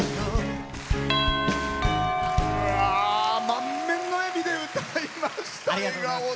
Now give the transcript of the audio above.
満面の笑みで歌いました。